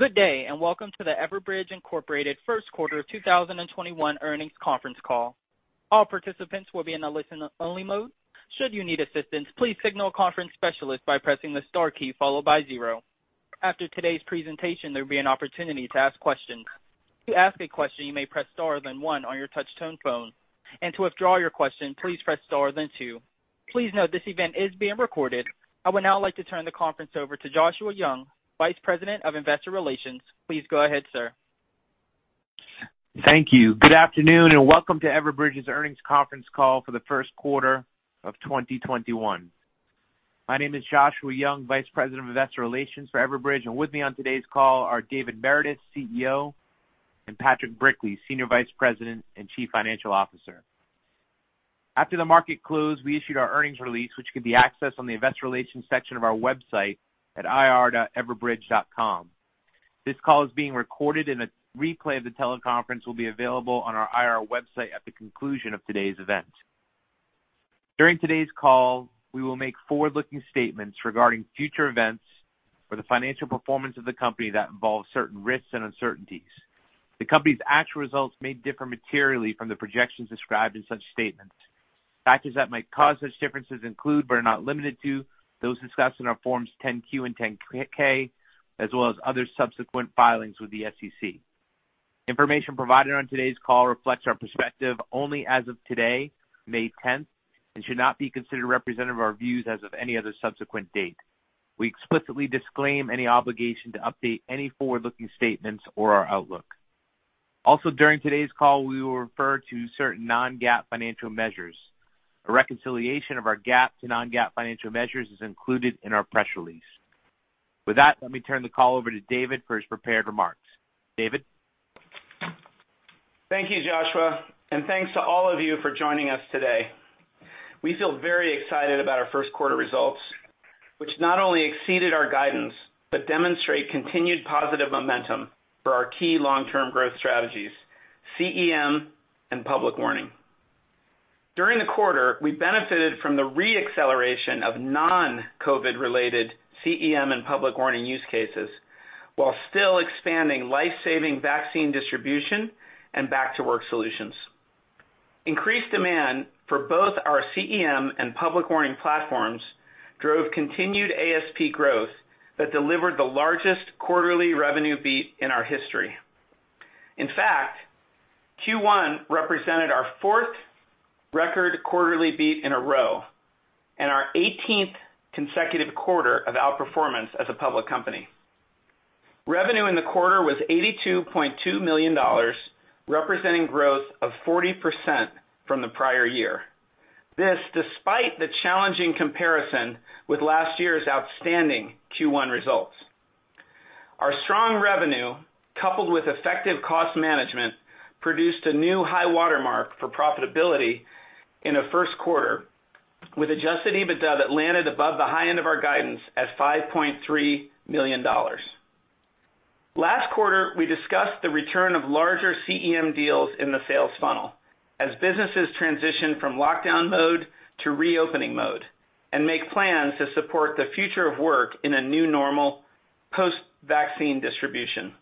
Good day, and welcome to the Everbridge, Inc. First Quarter of 2021 Earnings Conference Call. All participants will be in a listen-only mode. Should you need assistance, please signal a conference specialist by pressing the star key followed by zero. After today's presentation, there will be an opportunity to ask questions. To ask a question, you may press star, then one on your touch-tone phone, and to withdraw your question, please press star, then two. Please note this event is being recorded. I would now like to turn the conference over to Joshua Young, Vice President of Investor Relations. Please go ahead, sir. Thank you. Good afternoon, and welcome to Everbridge's earnings conference call for the first quarter of 2021. My name is Joshua Young, Vice President of Investor Relations for Everbridge, and with me on today's call are David Meredith, Chief Executive Officer, and Patrick Brickley, Senior Vice President and Chief Financial Officer. After the market closed, we issued our earnings release, which could be accessed on the investor relations section of our website at ir.everbridge.com. This call is being recorded. A replay of the teleconference will be available on our IR website at the conclusion of today's event. During today's call, we will make forward-looking statements regarding future events or the financial performance of the company that involve certain risks and uncertainties. The company's actual results may differ materially from the projections described in such statements. Factors that might cause such differences include, but are not limited to, those discussed in our Forms 10-Q and 10-K, as well as other subsequent filings with the SEC. Information provided on today's call reflects our perspective only as of today, May 10th, and should not be considered representative of our views as of any other subsequent date. We explicitly disclaim any obligation to update any forward-looking statements or our outlook. During today's call, we will refer to certain non-GAAP financial measures. A reconciliation of our GAAP to non-GAAP financial measures is included in our press release. With that, let me turn the call over to David for his prepared remarks. David Meredith? Thank you, Joshua, and thanks to all of you for joining us today. We feel very excited about our first quarter results, which not only exceeded our guidance, but demonstrate continued positive momentum for our key long-term growth strategies, Critical Event Management and Public Warning. During the quarter, we benefited from the re-acceleration of non-COVID-related CEM and Public Warning use cases while still expanding life-saving vaccine distribution and back-to-work solutions. Increased demand for both our CEM and Public Warning platforms drove continued average selling price growth that delivered the largest quarterly revenue beat in our history. In fact, Q1 represented our fourth record quarterly beat in a row and our 18th consecutive quarter of outperformance as a public company. Revenue in the quarter was $82.2 million, representing growth of 40% from the prior year. This, despite the challenging comparison with last year's outstanding Q1 results. Our strong revenue, coupled with effective cost management, produced a new high watermark for profitability in a first quarter, with adjusted EBITDA that landed above the high end of our guidance at $5.3 million. Last quarter, we discussed the return of larger CEM deals in the sales funnel as businesses transition from lockdown mode to reopening mode and make plans to support the future of work in a new normal post-vaccine distribution.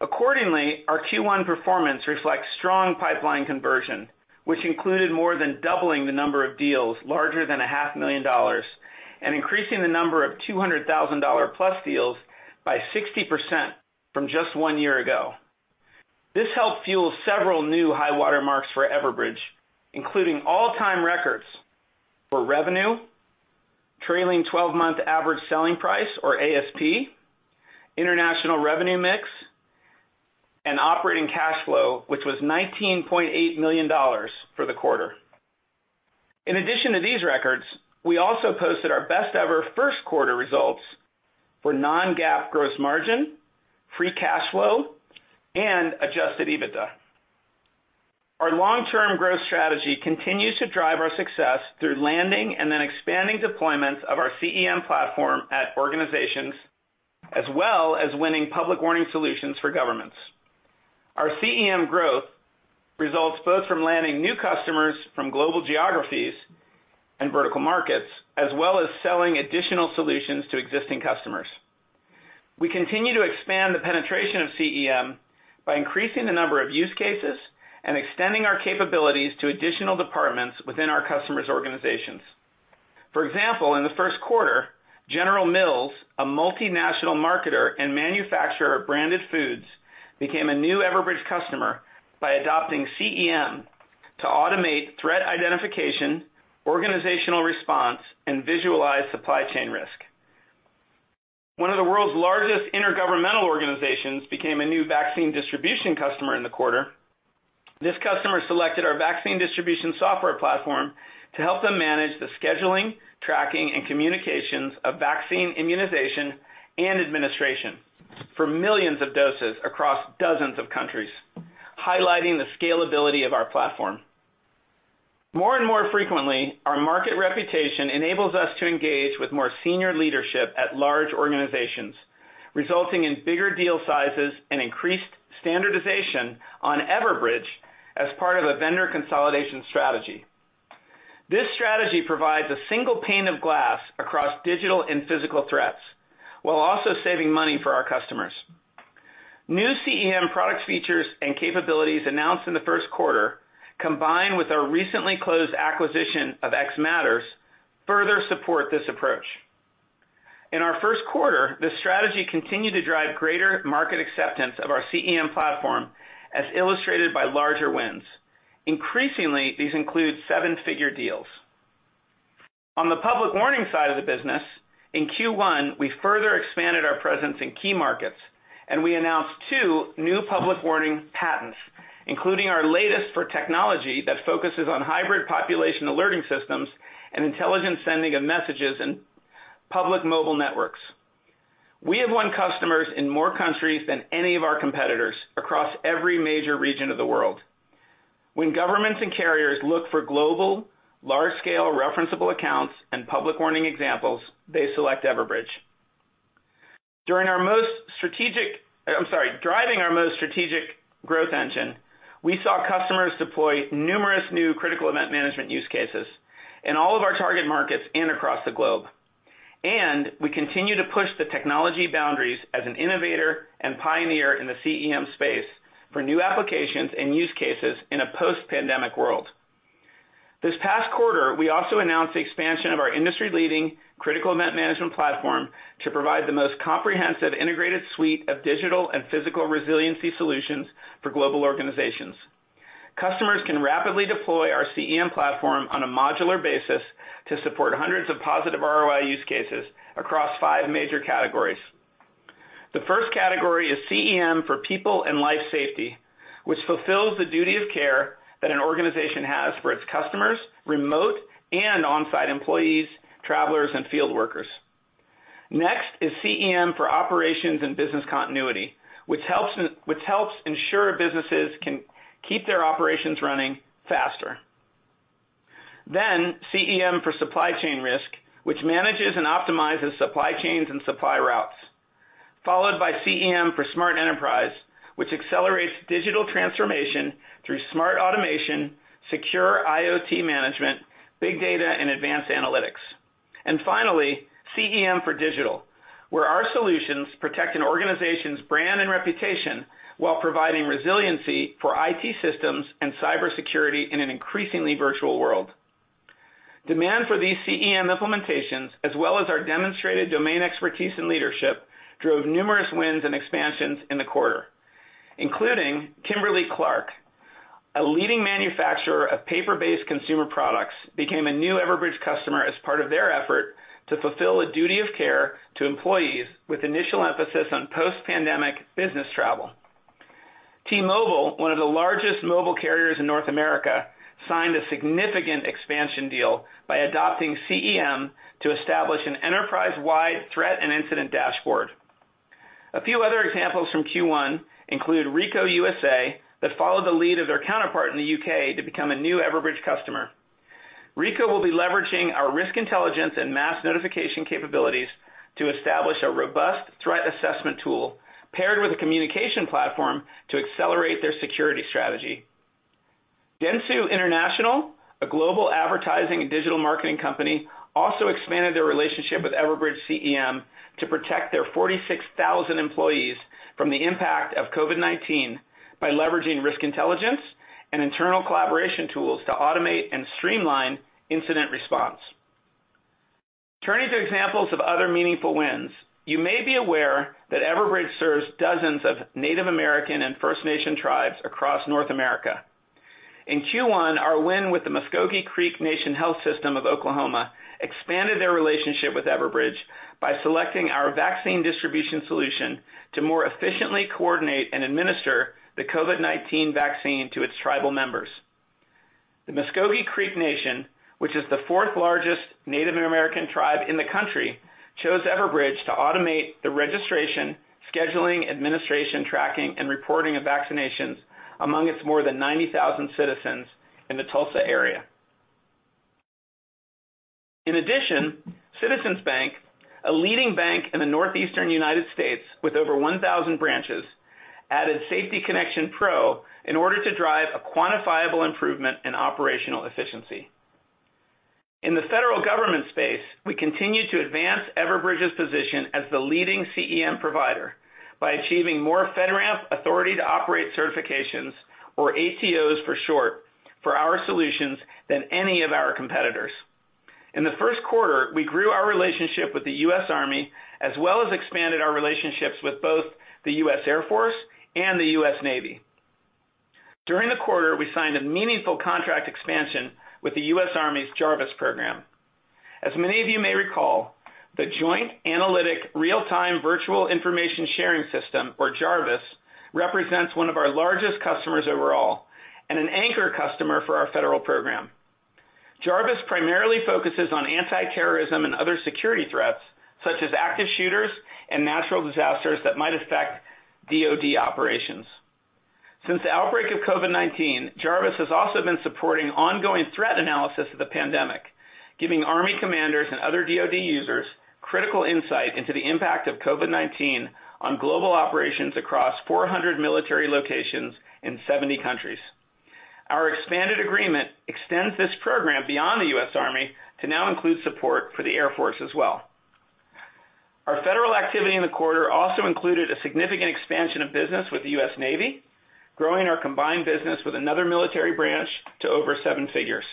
Accordingly, our Q1 performance reflects strong pipeline conversion, which included more than doubling the number of deals larger than a half million dollars and increasing the number of $200,000+ deals by 60% from just one year ago. This helped fuel several new high watermarks for Everbridge, including all-time records for revenue, trailing 12-month average selling price or ASP, international revenue mix, and operating cash flow, which was $19.8 million for the quarter. In addition to these records, we also posted our best-ever first quarter results for non-GAAP gross margin, free cash flow, and adjusted EBITDA. Our long-term growth strategy continues to drive our success through landing and then expanding deployments of our CEM platform at organizations, as well as winning public warning solutions for governments. Our CEM growth results both from landing new customers from global geographies and vertical markets, as well as selling additional solutions to existing customers. We continue to expand the penetration of CEM by increasing the number of use cases and extending our capabilities to additional departments within our customers' organizations. For example, in the first quarter, General Mills, a multinational marketer and manufacturer of branded foods, became a new Everbridge customer by adopting CEM to automate threat identification, organizational response, and visualize supply chain risk. One of the world's largest intergovernmental organizations became a new vaccine distribution customer in the quarter. This customer selected our vaccine distribution software platform to help them manage the scheduling, tracking, and communications of vaccine immunization and administration for millions of doses across dozens of countries, highlighting the scalability of our platform. More and more frequently, our market reputation enables us to engage with more senior leadership at large organizations, resulting in bigger deal sizes and increased standardization on Everbridge as part of a vendor consolidation strategy. This strategy provides a single pane of glass across digital and physical threats, while also saving money for our customers. New CEM product features and capabilities announced in the first quarter, combined with our recently closed acquisition of xMatters, further support this approach. In our first quarter, this strategy continued to drive greater market acceptance of our CEM platform, as illustrated by larger wins. Increasingly, these include seven-figure deals. On the public warning side of the business, in Q1, we further expanded our presence in key markets. We announced two new public warning patents, including our latest for technology that focuses on hybrid population alerting systems and intelligent sending of messages in public mobile networks. We have won customers in more countries than any of our competitors across every major region of the world. When governments and carriers look for global, large-scale referenceable accounts and public warning examples, they select Everbridge. Driving our most strategic growth engine, we saw customers deploy numerous new Critical Event Management use cases in all of our target markets and across the globe. We continue to push the technology boundaries as an innovator and pioneer in the CEM space for new applications and use cases in a post-pandemic world. This past quarter, we also announced the expansion of our industry-leading Critical Event Management platform to provide the most comprehensive, integrated suite of digital and physical resiliency solutions for global organizations. Customers can rapidly deploy our CEM platform on a modular basis to support hundreds of positive ROI use cases across five major categories. The first category is CEM for People and Life Safety, which fulfills the duty of care that an organization has for its customers, remote and on-site employees, travelers, and field workers. Next is CEM for Operations and Business Continuity, which helps ensure businesses can keep their operations running faster. CEM for Supply Chain Risk, which manages and optimizes supply chains and supply routes. Followed by CEM for Smart Enterprise, which accelerates digital transformation through smart automation, secure IoT management, big data, and advanced analytics. Finally, CEM for Digital, where our solutions protect an organization's brand and reputation while providing resiliency for Information Technology systems and cybersecurity in an increasingly virtual world. Demand for these CEM implementations, as well as our demonstrated domain expertise and leadership, drove numerous wins and expansions in the quarter, including Kimberly-Clark, a leading manufacturer of paper-based consumer products, became a new Everbridge customer as part of their effort to fulfill a duty of care to employees with initial emphasis on post-pandemic business travel. T-Mobile, one of the largest mobile carriers in North America, signed a significant expansion deal by adopting CEM to establish an enterprise-wide threat and incident dashboard. A few other examples from Q1 include Ricoh USA, that followed the lead of their counterpart in the U.K. to become a new Everbridge customer. Ricoh will be leveraging our Risk Intelligence and Mass Notification capabilities to establish a robust threat assessment tool paired with a communication platform to accelerate their security strategy. Dentsu International, a global advertising and digital marketing company, also expanded their relationship with Everbridge CEM to protect their 46,000 employees from the impact of COVID-19 by leveraging Risk Intelligence and internal collaboration tools to automate and streamline incident response. Turning to examples of other meaningful wins, you may be aware that Everbridge serves dozens of Native American and First Nation tribes across North America. In Q1, our win with the Muscogee (Creek) Nation Department of Health expanded their relationship with Everbridge by selecting our COVID-19 Shield: Vaccine Distribution solution to more efficiently coordinate and administer the COVID-19 vaccine to its tribal members. The Muscogee (Creek) Nation, which is the fourth largest Native American tribe in the country, chose Everbridge to automate the registration, scheduling, administration, tracking, and reporting of vaccinations among its more than 90,000 citizens in the Tulsa area. In addition, Citizens Bank, a leading bank in the northeastern United States with over 1,000 branches, added Safety Connection Pro in order to drive a quantifiable improvement in operational efficiency. In the federal government space, we continue to advance Everbridge's position as the leading CEM provider by achieving more Federal Risk and Authorization Management Program Authority to Operate certifications, or ATOs for short, for our solutions than any of our competitors. In the first quarter, we grew our relationship with the U.S. Army, as well as expanded our relationships with both the U.S. Air Force and the U.S. Navy. During the quarter, we signed a meaningful contract expansion with the U.S. Army's Joint Analytic Real-Time Virtual Information Sharing System program. As many of you may recall, the Joint Analytic Real-Time Virtual Information Sharing System, or JARVISS, represents one of our largest customers overall and an anchor customer for our federal program. JARVISS primarily focuses on anti-terrorism and other security threats, such as active shooters and natural disasters that might affect Department of Defense operations. Since the outbreak of COVID-19, JARVISS has also been supporting ongoing threat analysis of the pandemic, giving Army commanders and other DoD users critical insight into the impact of COVID-19 on global operations across 400 military locations in 70 countries. Our expanded agreement extends this program beyond the U.S. Army to now include support for the U.S. Air Force as well. Our federal activity in the quarter also included a significant expansion of business with the U.S. Navy, growing our combined business with another military branch to over seven figures.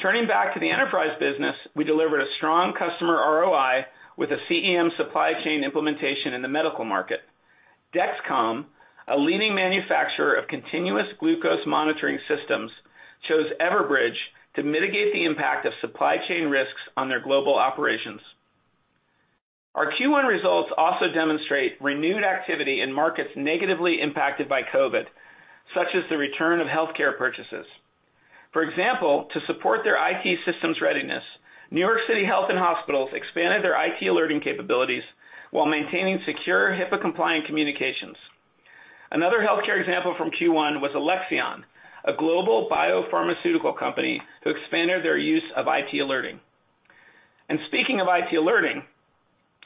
Turning back to the enterprise business, we delivered a strong customer ROI with a CEM supply chain implementation in the medical market. Dexcom, a leading manufacturer of continuous glucose monitoring systems, chose Everbridge to mitigate the impact of supply chain risks on their global operations. Our Q1 results also demonstrate renewed activity in markets negatively impacted by COVID, such as the return of healthcare purchases. For example, to support their IT systems readiness, NYC Health + Hospitals expanded their IT Alerting capabilities while maintaining secure HIPAA-compliant communications. Another healthcare example from Q1 was Alexion, a global biopharmaceutical company who expanded their use of IT Alerting. Speaking of IT Alerting,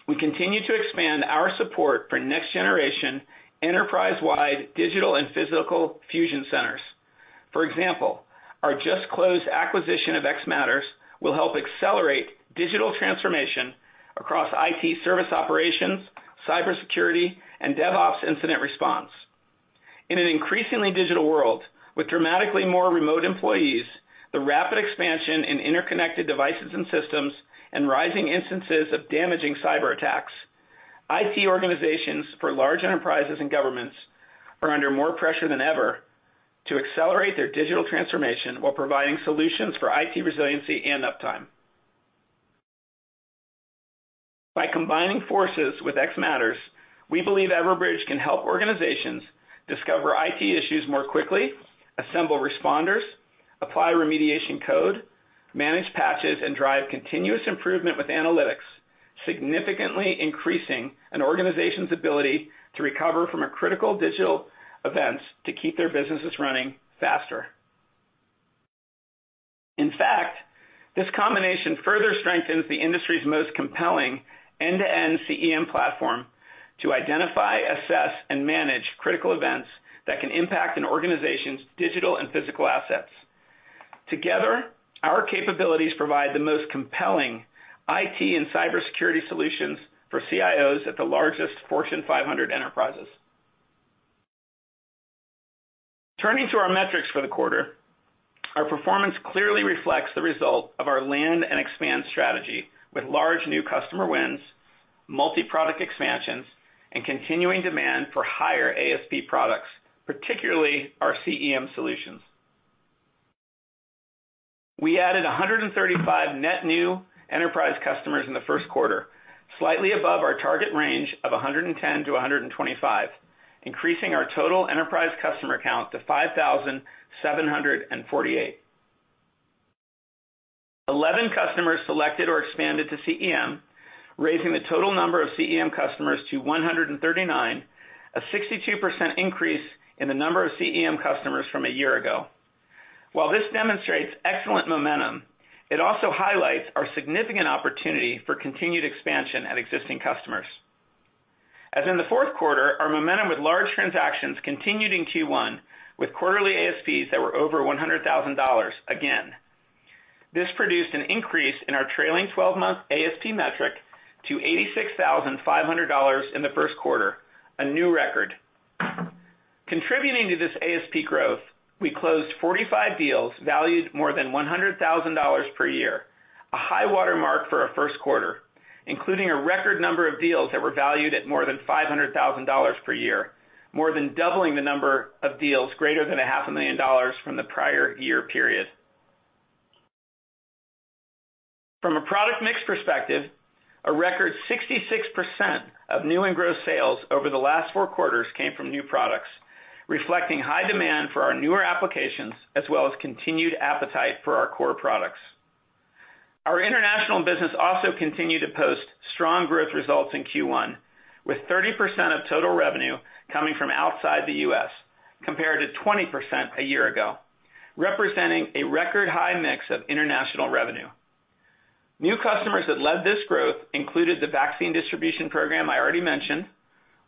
we continue to expand our support for next-generation enterprise-wide digital and physical fusion centers. For example, our just-closed acquisition of xMatters will help accelerate digital transformation across IT service operations, cybersecurity, and DevOps incident response. In an increasingly digital world, with dramatically more remote employees, the rapid expansion in interconnected devices and systems, and rising instances of damaging cyber attacks, IT organizations for large enterprises and governments are under more pressure than ever to accelerate their digital transformation while providing solutions for IT resiliency and uptime. By combining forces with xMatters, we believe Everbridge can help organizations discover IT issues more quickly, assemble responders, apply remediation code, manage patches, and drive continuous improvement with analytics, significantly increasing an organization's ability to recover from critical digital events to keep their businesses running faster. In fact, this combination further strengthens the industry's most compelling end-to-end CEM platform to identify assess, and manage critical events that can impact an organization's digital and physical assets. Together, our capabilities provide the most compelling IT and cybersecurity solutions for CIOs at the largest Fortune 500 enterprises. Turning to our metrics for the quarter, our performance clearly reflects the result of our land and expand strategy, with large new customer wins, multi-product expansions, and continuing demand for higher ASP products, particularly our CEM solutions. We added 135 net new enterprise customers in the first quarter, slightly above our target range of 110-125, increasing our total enterprise customer count to 5,748. 11 customers selected or expanded to CEM, raising the total number of CEM customers to 139, a 62% increase in the number of CEM customers from a year ago. While this demonstrates excellent momentum, it also highlights our significant opportunity for continued expansion at existing customers. As in the fourth quarter, our momentum with large transactions continued in Q1 with quarterly ASPs that were over $100,000 again. This produced an increase in our trailing 12-month ASP metric to $86,500 in the first quarter, a new record. Contributing to this ASP growth, we closed 45 deals valued more than $100,000 per year, a high-water mark for a first quarter, including a record number of deals that were valued at more than $500,000 per year, more than doubling the number of deals greater than a half a million dollars from the prior year period. From a product mix perspective, a record 66% of new and gross sales over the last four quarters came from new products, reflecting high demand for our newer applications as well as continued appetite for our core products. Our international business also continued to post strong growth results in Q1, with 30% of total revenue coming from outside the U.S. compared to 20% a year ago, representing a record high mix of international revenue. New customers that led this growth included the vaccine distribution program I already mentioned,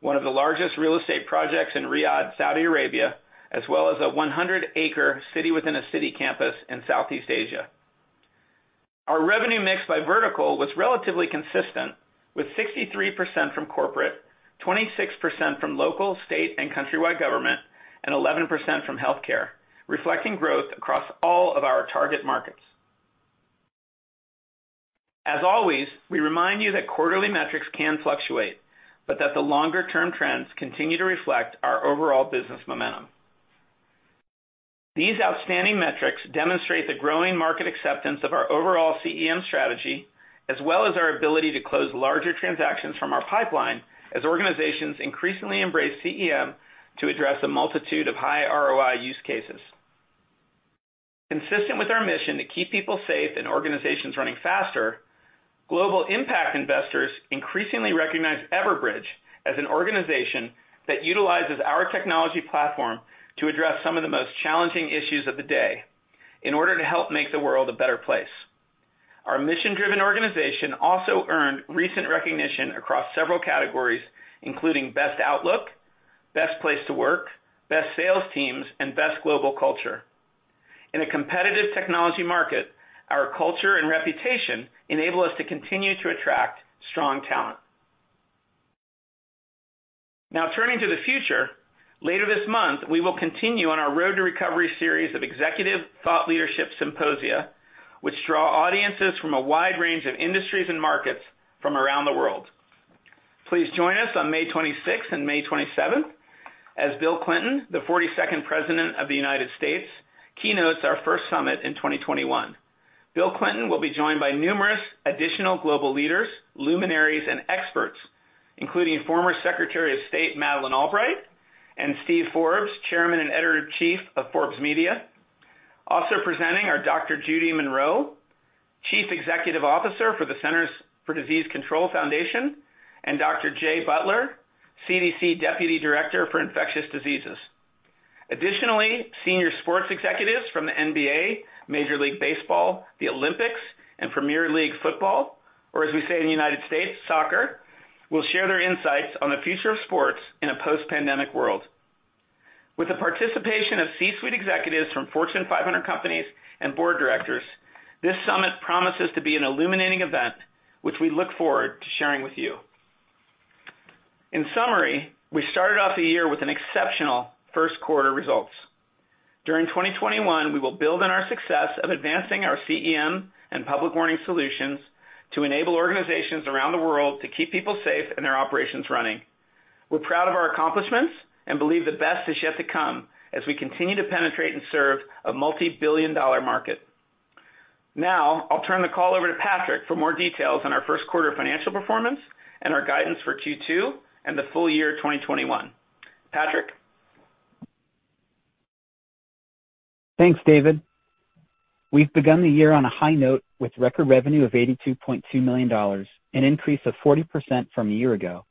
one of the largest real estate projects in Riyadh, Saudi Arabia, as well as a 100-acre city within a city campus in Southeast Asia. Our revenue mix by vertical was relatively consistent, with 63% from corporate, 26% from local, state, and countrywide government, and 11% from healthcare, reflecting growth across all of our target markets. As always, we remind you that quarterly metrics can fluctuate, but that the longer-term trends continue to reflect our overall business momentum. These outstanding metrics demonstrate the growing market acceptance of our overall CEM strategy, as well as our ability to close larger transactions from our pipeline as organizations increasingly embrace CEM to address a multitude of high ROI use cases. Consistent with our mission to keep people safe and organizations running faster. Global impact investors increasingly recognize Everbridge as an organization that utilizes our technology platform to address some of the most challenging issues of the day in order to help make the world a better place. Our mission-driven organization also earned recent recognition across several categories, including best outlook, best place to work, best sales teams, and best global culture. In a competitive technology market, our culture and reputation enable us to continue to attract strong talent. Turning to the future, later this month, we will continue on our Road to Recovery series of executive thought leadership symposia, which draw audiences from a wide range of industries and markets from around the world. Please join us on May 26th and May 27th as Bill Clinton, the 42nd president of the U.S., keynotes our first summit in 2021. Bill Clinton will be joined by numerous additional global leaders, luminaries, and experts, including former Secretary of State Madeleine Albright and Steve Forbes, Chairman and Editor-in-Chief of Forbes Media. Also presenting are Dr. Judith Monroe, Chief Executive Officer for the Centers for Disease Control Foundation, and Dr. Jay Butler, CDC Deputy Director for Infectious Diseases. Additionally, senior sports executives from the National Basketball Association, Major League Baseball, the Olympics, and Premier League football, or as we say in the U.S., soccer, will share their insights on the future of sports in a post-pandemic world. With the participation of C-suite executives from Fortune 500 companies and board directors, this summit promises to be an illuminating event which we look forward to sharing with you. In summary, we started off the year with exceptional first quarter results. During 2021, we will build on our success of advancing our CEM and Public Warning solutions to enable organizations around the world to keep people safe and their operations running. We're proud of our accomplishments and believe the best is yet to come as we continue to penetrate and serve a multibillion-dollar market. I'll turn the call over to Patrick for more details on our first quarter financial performance and our guidance for Q2 and the full year 2021. Patrick Brickley? Thanks, David. We've begun the year on a high note with record revenue of $82.2 million, an increase of 40% from a year ago,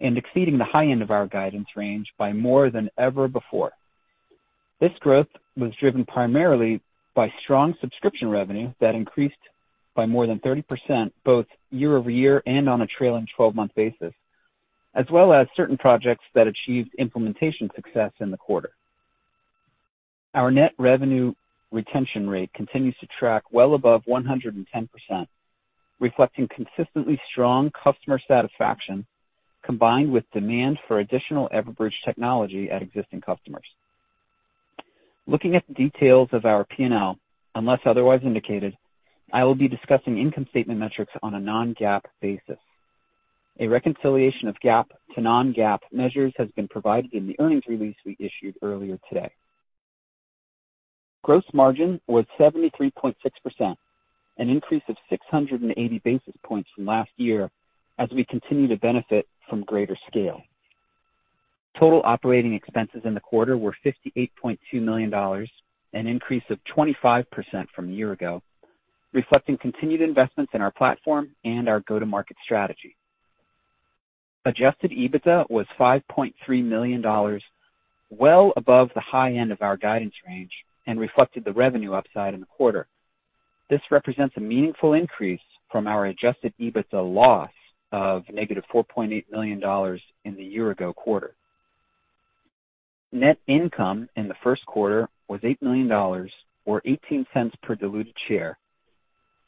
and exceeding the high end of our guidance range by more than ever before. This growth was driven primarily by strong subscription revenue that increased by more than 30% both year-over-year and on a trailing 12-month basis, as well as certain projects that achieved implementation success in the quarter. Our net revenue retention rate continues to track well above 110%, reflecting consistently strong customer satisfaction, combined with demand for additional Everbridge technology at existing customers. Looking at the details of our P&L, unless otherwise indicated, I will be discussing income statement metrics on a non-GAAP basis. A reconciliation of GAAP to non-GAAP measures has been provided in the earnings release we issued earlier today. Gross margin was 73.6%, an increase of 680 basis points from last year as we continue to benefit from greater scale. Total operating expenses in the quarter were $58.2 million, an increase of 25% from a year ago, reflecting continued investments in our platform and our go-to-market strategy. adjusted EBITDA was $5.3 million, well above the high end of our guidance range, and reflected the revenue upside in the quarter. This represents a meaningful increase from our adjusted EBITDA loss of negative $4.8 million in the year-ago quarter. Net income in the first quarter was $8 million, or $0.18 per diluted share,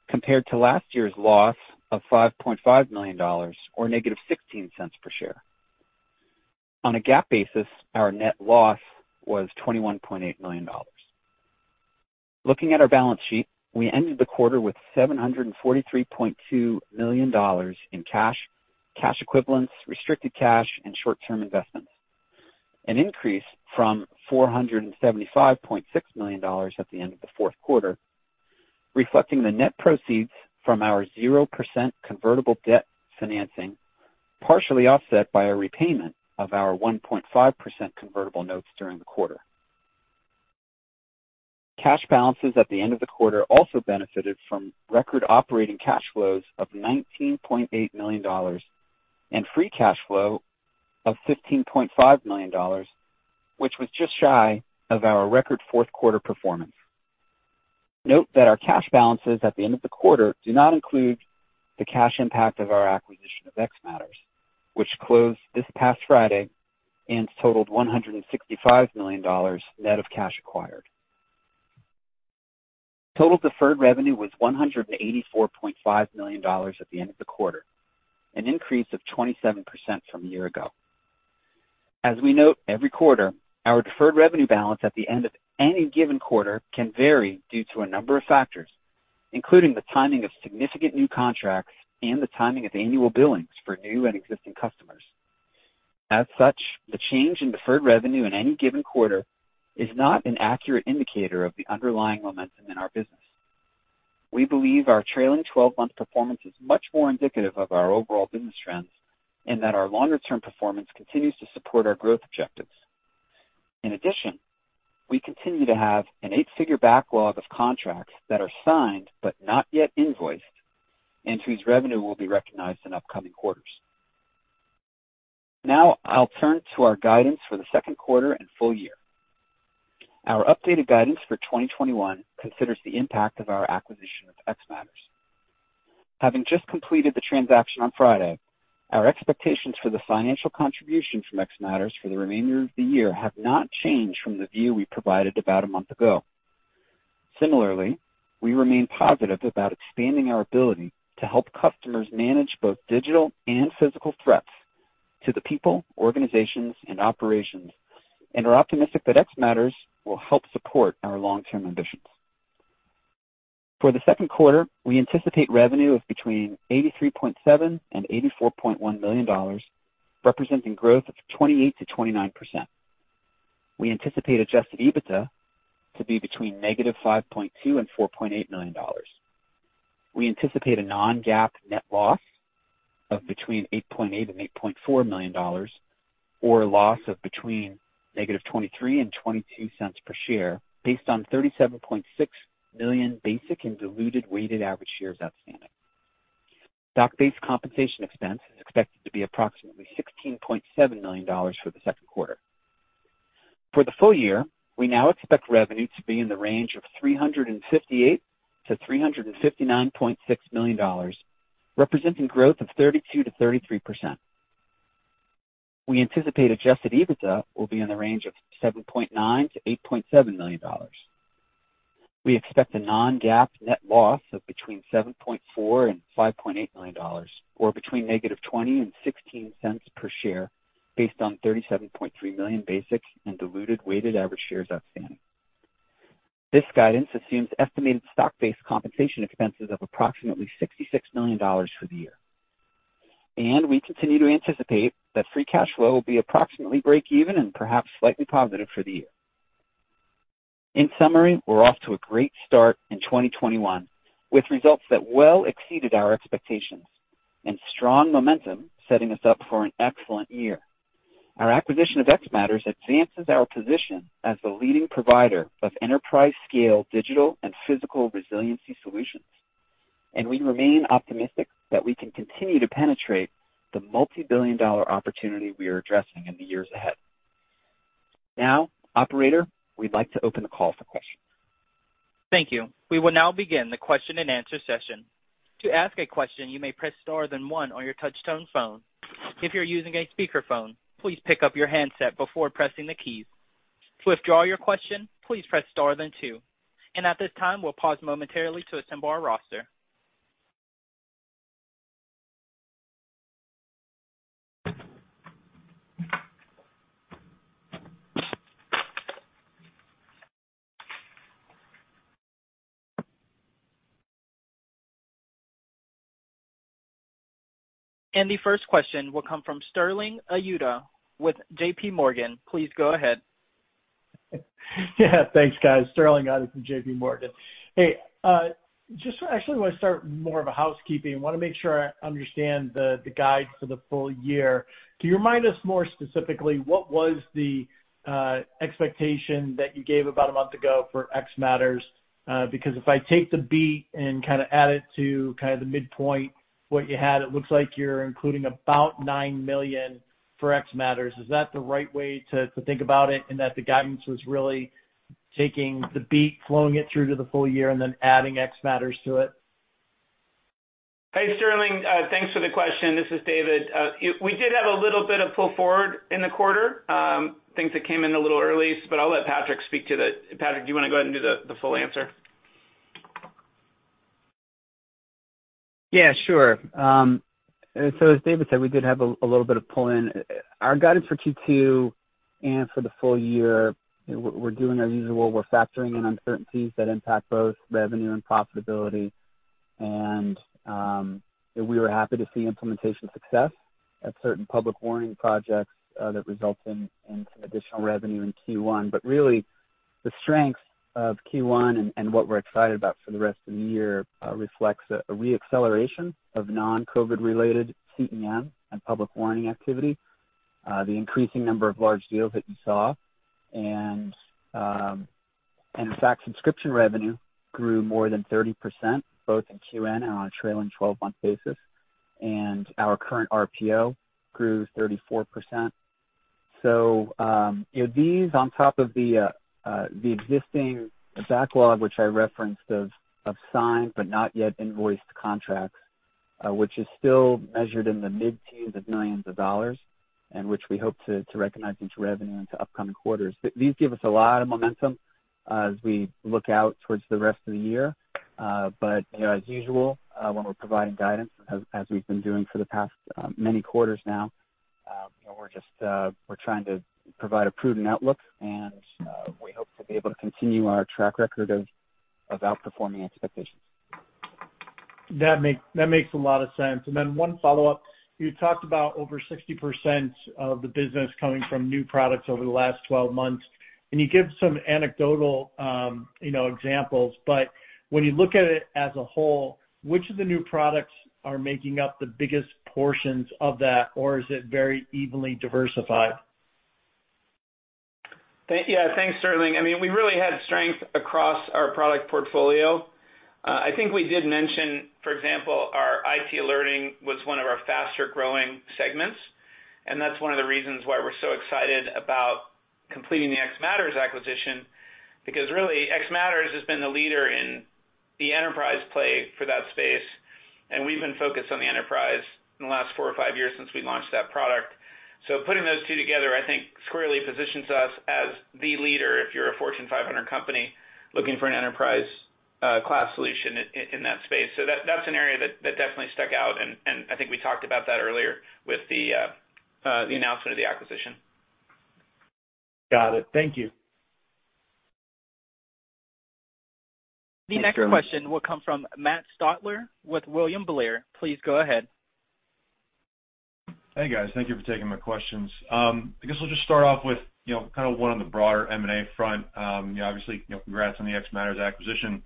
compared to last year's loss of $5.5 million, or negative $0.16 per share. On a GAAP basis, our net loss was $21.8 million. Looking at our balance sheet, we ended the quarter with $743.2 million in cash equivalents, restricted cash, and short-term investments, an increase from $475.6 million at the end of the fourth quarter, reflecting the net proceeds from our 0% convertible debt financing, partially offset by a repayment of our 1.5% convertible notes during the quarter. Cash balances at the end of the quarter also benefited from record operating cash flows of $19.8 million and free cash flow of $15.5 million, which was just shy of our record fourth quarter performance. Note that our cash balances at the end of the quarter do not include the cash impact of our acquisition of xMatters, which closed this past Friday and totaled $165 million net of cash acquired. Total deferred revenue was $184.5 million at the end of the quarter, an increase of 27% from a year ago. As we note every quarter, our deferred revenue balance at the end of any given quarter can vary due to a number of factors, including the timing of significant new contracts and the timing of annual billings for new and existing customers. As such, the change in deferred revenue in any given quarter is not an accurate indicator of the underlying momentum in our business. We believe our trailing 12-month performance is much more indicative of our overall business trends, and that our longer-term performance continues to support our growth objectives. In addition, we continue to have an eight-figure backlog of contracts that are signed but not yet invoiced, and whose revenue will be recognized in upcoming quarters. Now I'll turn to our guidance for the second quarter and full year. Our updated guidance for 2021 considers the impact of our acquisition of xMatters. Having just completed the transaction on Friday, our expectations for the financial contribution from xMatters for the remainder of the year have not changed from the view we provided about a month ago. Similarly, we remain positive about expanding our ability to help customers manage both digital and physical threats to the people, organizations, and operations, and are optimistic that xMatters will help support our long-term ambitions. For the second quarter, we anticipate revenue of between $83.7 million and $84.1 million, representing growth of 28% to 29%. We anticipate adjusted EBITDA to be between negative $5.2 million and $4.8 million. We anticipate a non-GAAP net loss of between $8.8 million and $8.4 million, or a loss of between negative $0.23 and negative $0.22 per share, based on 37.6 million basic and diluted weighted average shares outstanding. Stock-based compensation expense is expected to be approximately $16.7 million for the second quarter. For the full year, we now expect revenue to be in the range of $358 million-$359.6 million, representing growth of 32% to 33%. We anticipate adjusted EBITDA will be in the range of $7.9 million-$8.7 million. We expect a non-GAAP net loss of between $7.4 million and $5.8 million, or between -$0.20 and -$0.16 per share, based on 37.3 million basic and diluted weighted average shares outstanding. This guidance assumes estimated stock-based compensation expenses of approximately $66 million for the year. We continue to anticipate that free cash flow will be approximately break even and perhaps slightly positive for the year. In summary, we're off to a great start in 2021, with results that well exceeded our expectations and strong momentum setting us up for an excellent year. Our acquisition of xMatters advances our position as the leading provider of enterprise-scale digital and physical resiliency solutions. We remain optimistic that we can continue to penetrate the multibillion-dollar opportunity we are addressing in the years ahead. Now, operator, we'd like to open the call for questions. Thank you. We will now begin the question and answer session. To ask a question, you may press star then one on your touch-tone phone. If you're using a speakerphone, please pick up your handset before pressing the keys. To withdraw your question, please press star then two. At this time, we'll pause momentarily to assemble our roster. The first question will come from Sterling Auty with JPMorgan. Please go ahead. Thanks, guys. Sterling Auty from JPMorgan. Hey, just actually want to start more of a housekeeping. Want to make sure I understand the guide for the full year. Can you remind us more specifically what was the expectation that you gave about a month ago for xMatters? If I take the beat and add it to the midpoint what you had, it looks like you're including about $9 million for xMatters. Is that the right way to think about it, in that the guidance was really taking the beat, flowing it through to the full year, and then adding xMatters to it? Hey, Sterling. Thanks for the question. This is David. We did have a little bit of pull forward in the quarter, things that came in a little early, but I'll let Patrick speak to that. Patrick, do you want to go ahead and do the full answer? Yeah, sure. As David said, we did have a little bit of pull in. Our guidance for Q2 and for the full year, we're doing our usual. We're factoring in uncertainties that impact both revenue and profitability. We were happy to see implementation success at certain Public Warning projects that results in some additional revenue in Q1. Really, the strength of Q1 and what we're excited about for the rest of the year reflects a re-acceleration of non-COVID-related CEM and Public Warning activity, the increasing number of large deals that you saw. In fact, subscription revenue grew more than 30%, both in Q1 and on a trailing 12-month basis. Our current remaining performance obligation grew 34%. These, on top of the existing backlog, which I referenced, of signed but not yet invoiced contracts, which is still measured in the mid-teens of millions of dollars, and which we hope to recognize into revenue into upcoming quarters. These give us a lot of momentum as we look out towards the rest of the year. As usual, when we're providing guidance, as we've been doing for the past many quarters now, we're trying to provide a prudent outlook, and we hope to be able to continue our track record of outperforming expectations. That makes a lot of sense. One follow-up. You talked about over 60% of the business coming from new products over the last 12 months, and you give some anecdotal examples. When you look at it as a whole, which of the new products are making up the biggest portions of that, or is it very evenly diversified? Yeah, thanks, Sterling. We really had strength across our product portfolio. I think we did mention, for example, our IT Alerting was one of our faster-growing segments, and that's one of the reasons why we're so excited about completing the xMatters acquisition, because really, xMatters has been the leader in the enterprise play for that space, and we've been focused on the enterprise in the last four or five years since we launched that product. Putting those two together, I think, squarely positions us as the leader if you're a Fortune 500 company looking for an enterprise-class solution in that space. That's an area that definitely stuck out, and I think we talked about that earlier with the announcement of the acquisition. Got it. Thank you. The next question will come from Matt Stotler with William Blair. Please go ahead. Hey, guys. Thank you for taking my questions. I guess I'll just start off with one on the broader M&A front. Obviously, congrats on the xMatters acquisition.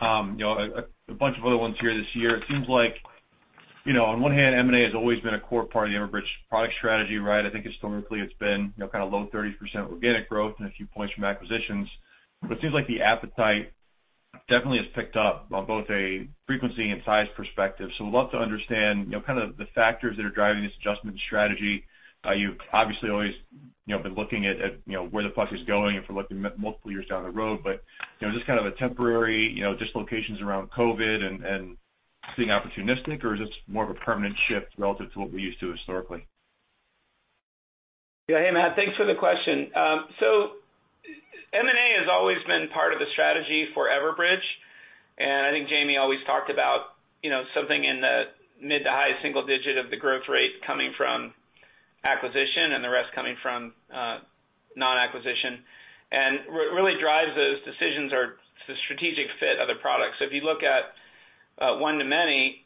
A bunch of other ones here this year. It seems like on one hand, M&A has always been a core part of the Everbridge product strategy, right? I think historically it's been low 30% organic growth and a few points from acquisitions. It seems like the appetite definitely has picked up on both a frequency and size perspective. Would love to understand the factors that are driving this adjustment strategy. You've obviously always been looking at where the puck is going and for looking multiple years down the road. Is this kind of a temporary dislocations around COVID and being opportunistic, or is this more of a permanent shift relative to what we're used to historically? Yeah. Hey, Matt. Thanks for the question. M&A has always been part of the strategy for Everbridge, and I think Jaime always talked about something in the mid to high single digit of the growth rate coming from acquisition and the rest coming from non-acquisition. What really drives those decisions are the strategic fit of the product. If you look at one2many,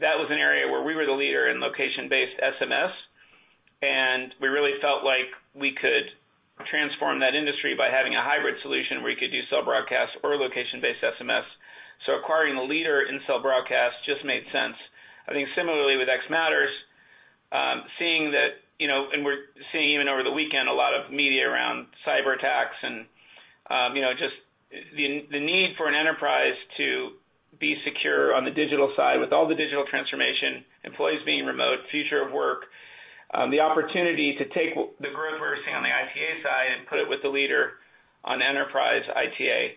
that was an area where we were the leader in Location-Based short message service, and we really felt like we could transform that industry by having a hybrid solution where you could do Cell Broadcast or Location-Based SMS. Acquiring the leader in Cell Broadcast just made sense. I think similarly with xMatters, and we're seeing even over the weekend, a lot of media around cyber attacks and just the need for an enterprise to be secure on the digital side with all the digital transformation, employees being remote, future of work, the opportunity to take the growth we're seeing on the ITA side and put it with the leader on enterprise ITA,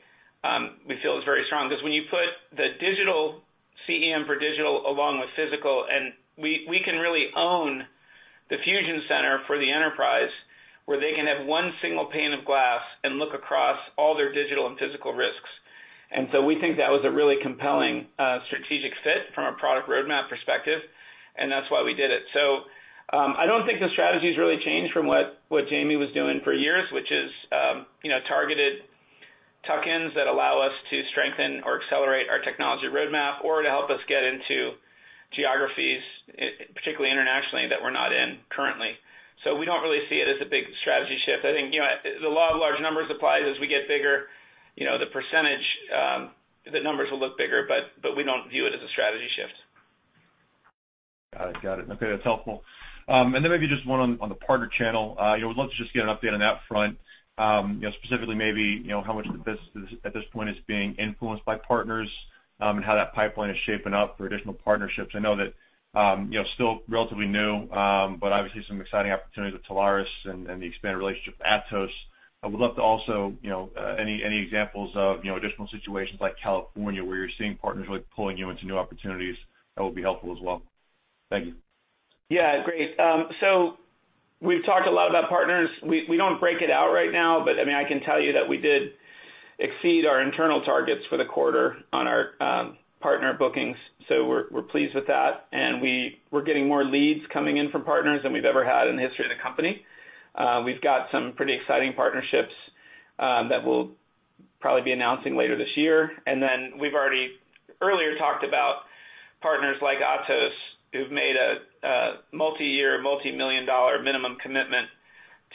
we feel is very strong. Because when you put the digital CEM for Digital along with physical, and we can really own the fusion center for the enterprise where they can have one single pane of glass and look across all their digital and physical risks. We think that was a really compelling strategic fit from a product roadmap perspective, and that's why we did it. I don't think the strategy's really changed from what Jamie was doing for years, which is targeted tuck-ins that allow us to strengthen or accelerate our technology roadmap or to help us get into geographies, particularly internationally, that we're not in currently. We don't really see it as a big strategy shift. I think the law of large numbers applies as we get bigger, the percentage, the numbers will look bigger, but we don't view it as a strategy shift. Got it. Okay, that's helpful. Then maybe just one on the partner channel. Would love to just get an update on that front, specifically maybe how much of the business at this point is being influenced by partners and how that pipeline is shaping up for additional partnerships. I know that still relatively new, but obviously some exciting opportunities with Telarus and the expanded relationship with Atos. I would love to also, any examples of additional situations like California where you're seeing partners really pulling you into new opportunities, that will be helpful as well. Thank you. Yeah. Great. We've talked a lot about partners. We don't break it out right now, but I can tell you that we did exceed our internal targets for the quarter on our partner bookings, we're pleased with that. We're getting more leads coming in from partners than we've ever had in the history of the company. We've got some pretty exciting partnerships that we'll probably be announcing later this year. We've already earlier talked about partners like Atos, who've made a multi-year, multi-million dollar minimum commitment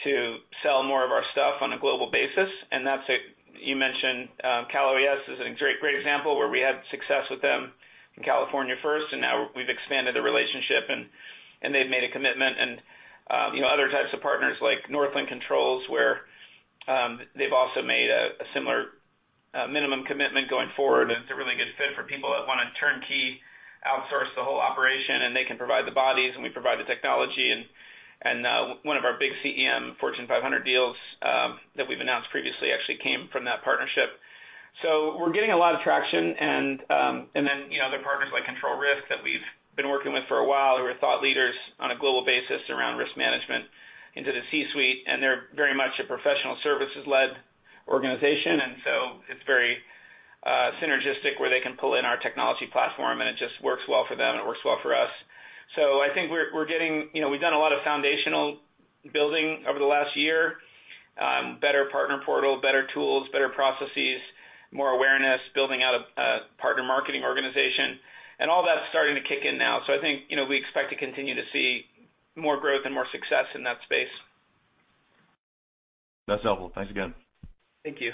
to sell more of our stuff on a global basis. You mentioned Cal OES as a great example where we had success with them in California first, and now we've expanded the relationship, and they've made a commitment. Other types of partners like Northland Controls, where they've also made a similar minimum commitment going forward. It's a really good fit for people that want to turnkey outsource the whole operation, and they can provide the bodies, and we provide the technology. One of our big CEM Fortune 500 deals that we've announced previously actually came from that partnership. We're getting a lot of traction. Other partners like Control Risks that we've been working with for a while, who are thought leaders on a global basis around risk management into the C-suite, and they're very much a professional services-led organization. It's very synergistic where they can pull in our technology platform, and it just works well for them, and it works well for us. I think we've done a lot of foundational building over the last year. Better partner portal, better tools, better processes, more awareness, building out a partner marketing organization, and all that's starting to kick in now. I think we expect to continue to see more growth and more success in that space. That's helpful. Thanks again. Thank you.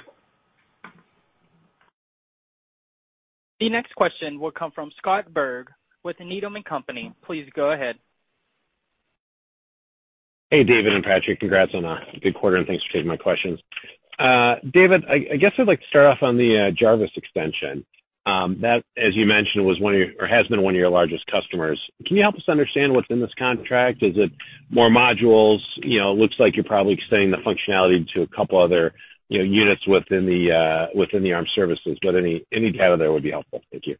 The next question will come from Scott Berg with Needham & Company. Please go ahead. Hey, David and Patrick. Congrats on a good quarter, and thanks for taking my questions. David, I guess I'd like to start off on the JARVISS extension. That, as you mentioned, has been one of your largest customers. Can you help us understand what's in this contract? Is it more modules? It looks like you're probably extending the functionality to a couple other units within the armed services, but any data there would be helpful. Thank you.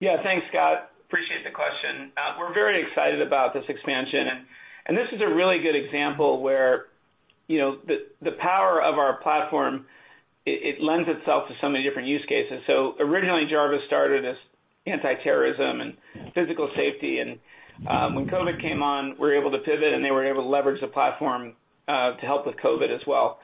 Thanks, Scott. Appreciate the question. We're very excited about this expansion. This is a really good example where the power of our platform, it lends itself to so many different use cases. Originally, JARVISS started as anti-terrorism and physical safety. When COVID-19 came on, we were able to pivot, and they were able to leverage the platform to help with COVID-19 as well.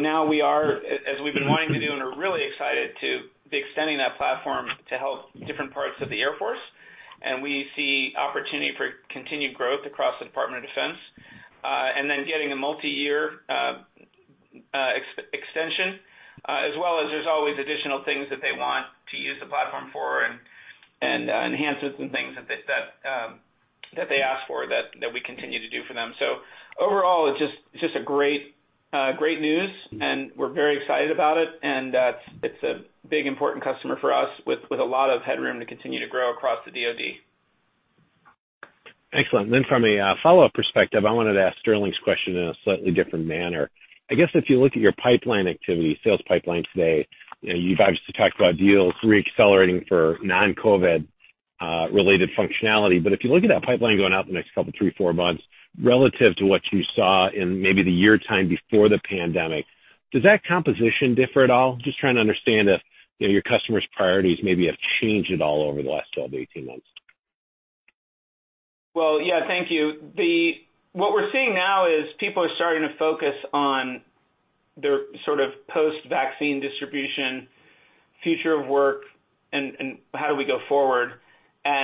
Now we are, as we've been wanting to do, and are really excited to be extending that platform to help different parts of the U.S. Air Force. We see opportunity for continued growth across the Department of Defense. Getting a multi-year extension, as well as there's always additional things that they want to use the platform for and enhancements and things that they ask for that we continue to do for them. Overall, it's just a great news, and we're very excited about it, and it's a big, important customer for us with a lot of headroom to continue to grow across the DoD. Excellent. From a follow-up perspective, I wanted to ask Sterling's question in a slightly different manner. I guess if you look at your pipeline activity, sales pipeline today, you've obviously talked about deals re-accelerating for non-COVID-related functionality, but if you look at that pipeline going out in the next couple three, four months, relative to what you saw in maybe the year time before the pandemic, does that composition differ at all? Just trying to understand if your customers' priorities maybe have changed at all over the last 12-18 months. Well, yeah. Thank you. What we're seeing now is people are starting to focus on their sort of post-vaccine distribution, future of work, and how do we go forward.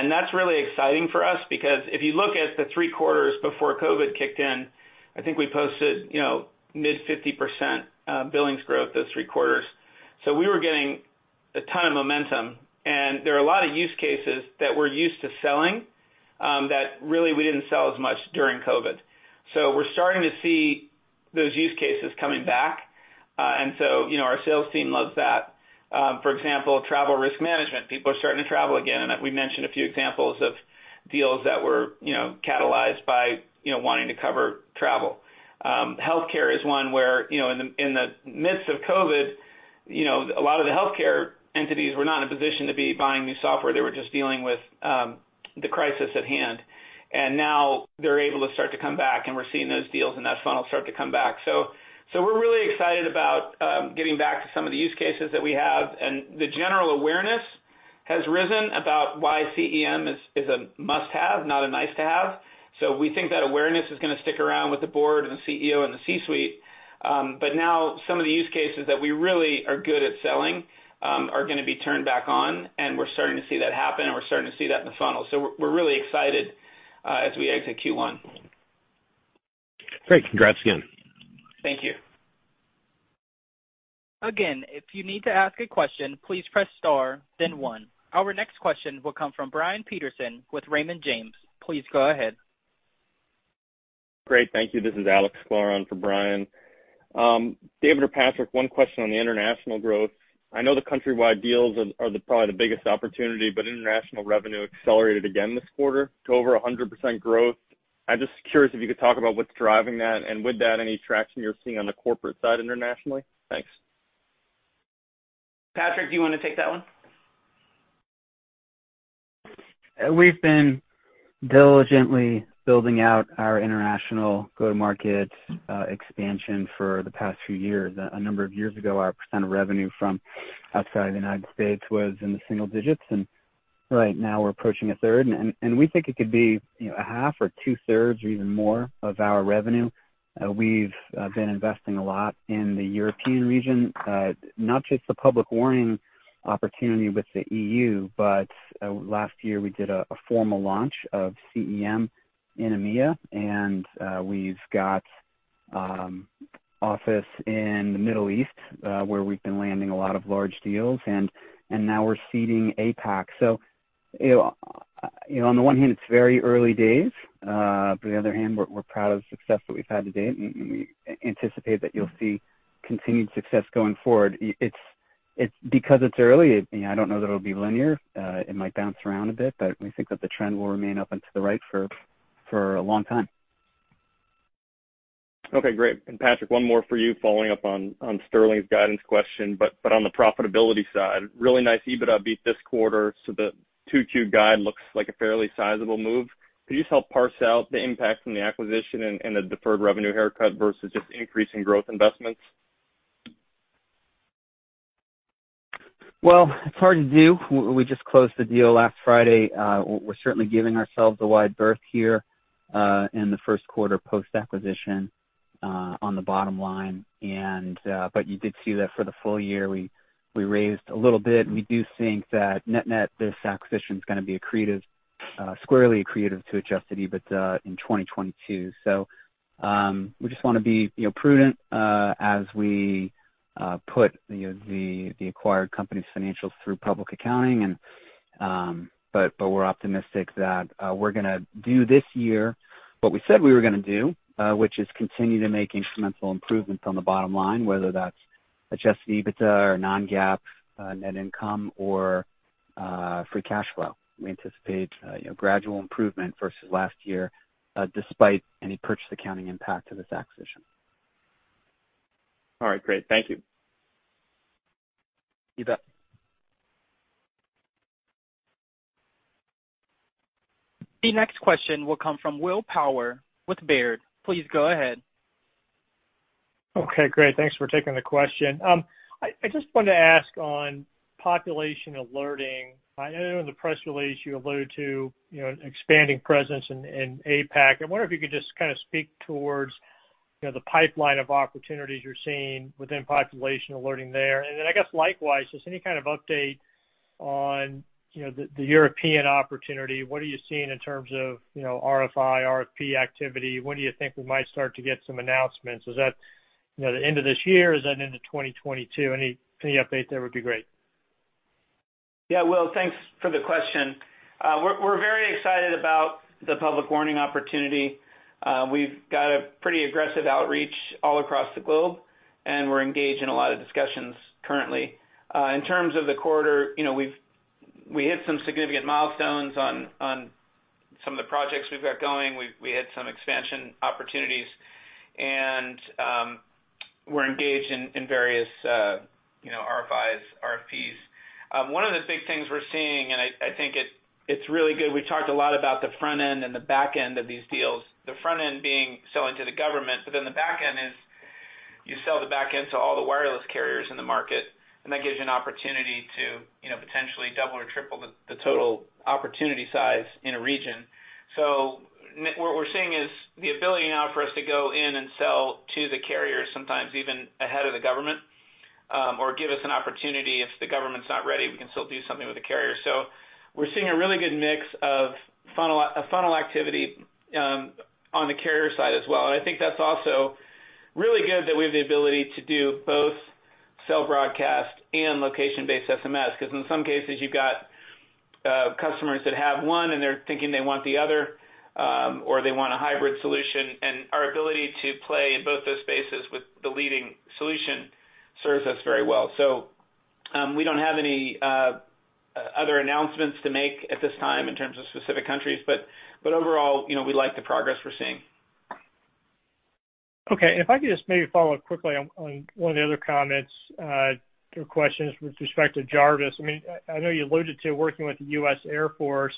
That's really exciting for us because if you look at the three quarters before COVID kicked in, I think we posted mid-50% billings growth those three quarters. We were getting a ton of momentum, and there are a lot of use cases that we're used to selling, that really we didn't sell as much during COVID. We're starting to see those use cases coming back. Our sales team loves that. For example, travel risk management. People are starting to travel again, and we mentioned a few examples of deals that were catalyzed by wanting to cover travel. Healthcare is one where, in the midst of COVID, a lot of the healthcare entities were not in a position to be buying new software. They were just dealing with the crisis at hand. Now they're able to start to come back, and we're seeing those deals and that funnel start to come back. We're really excited about getting back to some of the use cases that we have. The general awareness has risen about why CEM is a must-have, not a nice-to-have. Now some of the use cases that we really are good at selling are going to be turned back on, and we're starting to see that happen, and we're starting to see that in the funnel. We're really excited as we exit Q1. Great. Congrats again. Thank you. Again, if you need to ask a question, please press star, then one. Our next question will come from Brian Peterson with Raymond James. Please go ahead. Great. Thank you. This is Alex Charron for Brian. David or Patrick, one question on the international growth. I know the countrywide deals are probably the biggest opportunity, International revenue accelerated again this quarter to over 100% growth. I'm just curious if you could talk about what's driving that, and with that, any traction you're seeing on the corporate side internationally? Thanks. Patrick, do you want to take that one? We've been diligently building out our international go-to-market expansion for the past few years. A number of years ago, our % of revenue from outside the U.S. was in the single digits, and right now we're approaching a third. We think it could be a half or two-thirds or even more of our revenue. We've been investing a lot in the European region, not just the Public Warning opportunity with the EU, but last year we did a formal launch of CEM in EMEA, and we've got office in the Middle East, where we've been landing a lot of large deals, and now we're seeding APAC. On the one hand, it's very early days. On the other hand, we're proud of the success that we've had to date, and we anticipate that you'll see continued success going forward. It's early, I don't know that it'll be linear. It might bounce around a bit, but we think that the trend will remain up and to the right for a long time. Okay, great. Patrick, one more for you following up on Sterling's guidance question, but on the profitability side. Really nice EBITDA beat this quarter, so the 2Q guide looks like a fairly sizable move. Could you just help parse out the impact from the acquisition and the deferred revenue haircut versus just increasing growth investments? Well, it's hard to do. We just closed the deal last Friday. We're certainly giving ourselves a wide berth here in the first quarter post-acquisition on the bottom line. You did see that for the full year, we raised a little bit. We do think that net net, this acquisition is going to be squarely accretive to adjusted EBIT in 2022. We just want to be prudent as we put the acquired company's financials through public accounting, but we're optimistic that we're going to do this year what we said we were going to do, which is continue to make incremental improvements on the bottom line, whether that's adjusted EBITDA or non-GAAP net income or free cash flow. We anticipate gradual improvement versus last year, despite any purchase accounting impact of this acquisition. All right, great. Thank you. You bet. The next question will come from Will Power with Baird. Please go ahead. Okay, great. Thanks for taking the question. I just wanted to ask on population alerting. I know in the press release you alluded to expanding presence in APAC. I wonder if you could just kind of speak towards the pipeline of opportunities you're seeing within population alerting there. Then, I guess likewise, just any kind of update on the European opportunity. What are you seeing in terms of request for information, request for proposal activity? When do you think we might start to get some announcements? Is that the end of this year? Is that into 2022? Any update there would be great. Will, thanks for the question. We're very excited about the Public Warning opportunity. We've got a pretty aggressive outreach all across the globe, and we're engaged in a lot of discussions currently. In terms of the quarter, we hit some significant milestones on some of the projects we've got going. We hit some expansion opportunities, and we're engaged in various RFIs, RFPs. One of the big things we're seeing, and I think it's really good, we talked a lot about the front end and the back end of these deals. The front end being selling to the government, but then the back end is you sell the back end to all the wireless carriers in the market, and that gives you an opportunity to potentially double or triple the total opportunity size in a region. What we're seeing is the ability now for us to go in and sell to the carriers, sometimes even ahead of the government, or give us an opportunity if the government's not ready, we can still do something with the carrier. We're seeing a really good mix of funnel activity on the carrier side as well. I think that's also really good that we have the ability to do both Cell Broadcast and Location-Based SMS, because in some cases you've got customers that have one and they're thinking they want the other, or they want a hybrid solution. Our ability to play in both those spaces with the leading solution serves us very well. We don't have any other announcements to make at this time in terms of specific countries, but overall, we like the progress we're seeing. Okay. If I could just maybe follow up quickly on one of the other comments, or questions with respect to JARVISS. I know you alluded to working with the U.S. Air Force.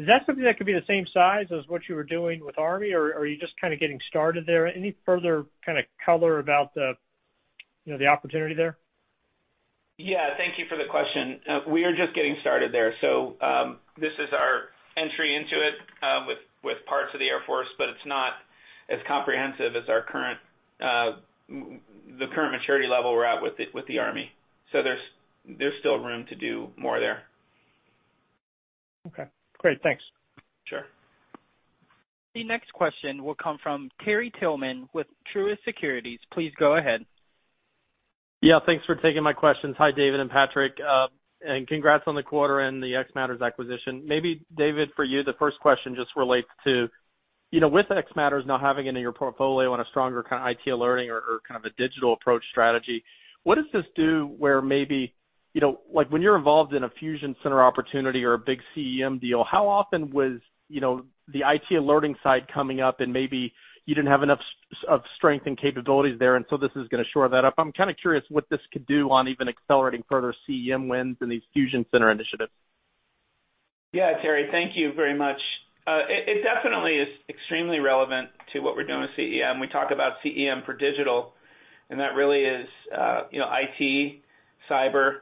Is that something that could be the same size as what you were doing with U.S. Army, or are you just kind of getting started there? Any further kind of color about the opportunity there? Yeah, thank you for the question. We are just getting started there. This is our entry into it, with parts of the Air Force, but it's not as comprehensive as the current maturity level we're at with the Army. There's still room to do more there. Okay, great. Thanks. Sure. The next question will come from Terry Tillman with Truist Securities. Please go ahead. Thanks for taking my questions. Hi, David and Patrick, and congrats on the quarter and the xMatters acquisition. Maybe David, for you, the first question just relates to, with xMatters now having it in your portfolio on a stronger kind of IT Alerting or kind of a digital approach strategy, what does this do where maybe, like when you're involved in a fusion center opportunity or a big CEM deal, how often was the IT Alerting side coming up and maybe you didn't have enough of strength and capabilities there, and so this is gonna shore that up? I'm kind of curious what this could do on even accelerating further CEM wins in these fusion center initiatives. Terry, thank you very much. It definitely is extremely relevant to what we're doing with CEM. We talk about CEM for Digital, that really is IT, cyber,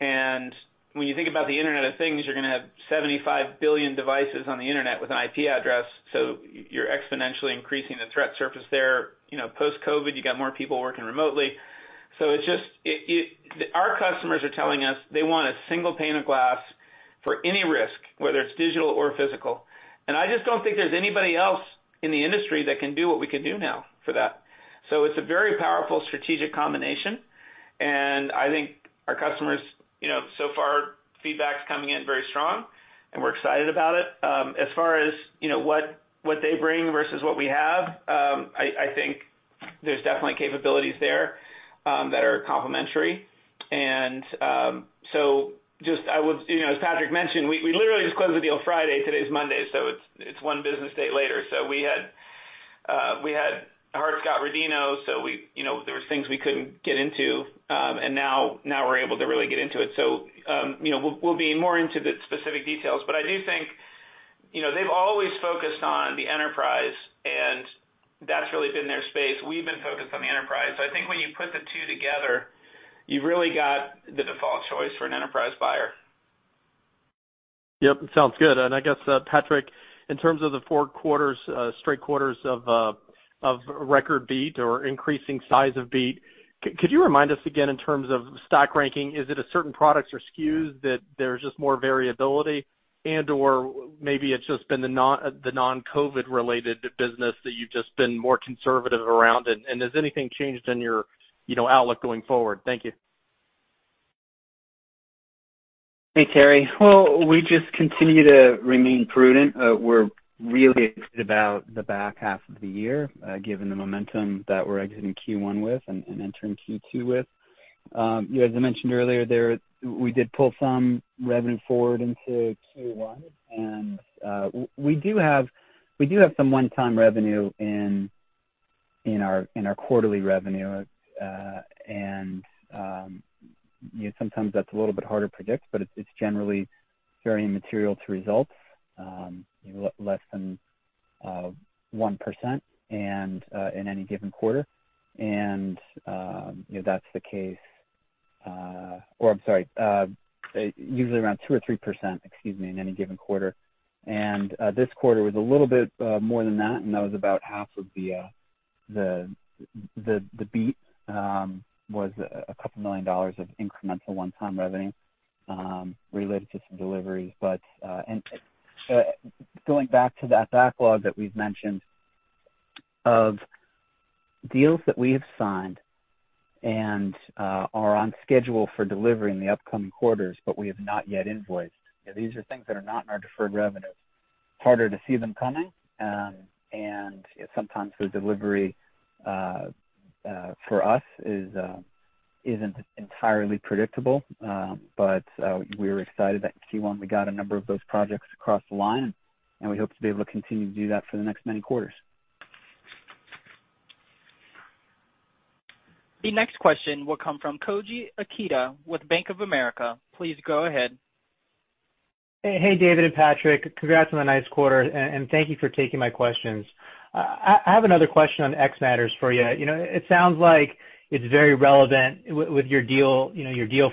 and when you think about the Internet of Things, you're gonna have 75 billion devices on the internet with an IP address. You're exponentially increasing the threat surface there. Post-COVID, you got more people working remotely. Our customers are telling us they want a single pane of glass for any risk, whether it's digital or physical. I just don't think there's anybody else in the industry that can do what we can do now for that. It's a very powerful strategic combination, and I think our customers so far, feedback's coming in very strong, and we're excited about it. As far as what they bring versus what we have, I think there's definitely capabilities there that are complementary. As Patrick mentioned, we literally just closed the deal Friday. Today's Monday, so it's one business day later. We had Hart-Scott-Rodino, so there was things we couldn't get into. Now we're able to really get into it. We'll be more into the specific details. I do think they've always focused on the enterprise, and that's really been their space. We've been focused on the enterprise. I think when you put the two together, you've really got the default choice for an enterprise buyer. Yep, sounds good. I guess, Patrick, in terms of the four straight quarters of record beat or increasing size of beat, could you remind us again in terms of stack ranking, is it a certain products or stock keeping units that there's just more variability and/or maybe it's just been the non-COVID related business that you've just been more conservative around? Has anything changed in your outlook going forward? Thank you. Hey, Terry. Well, we just continue to remain prudent. We're really excited about the back half of the year, given the momentum that we're exiting Q1 with and entering Q2 with. As I mentioned earlier, we did pull some revenue forward into Q1, and we do have some one-time revenue in our quarterly revenue. Sometimes that's a little bit hard to predict, but it's generally very immaterial to results, less than 1% in any given quarter. Usually around 2% or 3%, excuse me, in any given quarter. This quarter was a little bit more than that, and that was about half of the beat, was a couple million dollars of incremental one-time revenue related to some deliveries. Going back to that backlog that we've mentioned of deals that we have signed and are on schedule for delivery in the upcoming quarters, we have not yet invoiced. These are things that are not in our deferred revenue. Harder to see them coming, and sometimes the delivery for us isn't entirely predictable. We're excited that in Q1 we got a number of those projects across the line, and we hope to be able to continue to do that for the next many quarters. The next question will come from Koji Ikeda with Bank of America. Please go ahead. Hey, David and Patrick. Congrats on the nice quarter, and thank you for taking my questions. I have another question on xMatters for you. It sounds like it's very relevant with your deal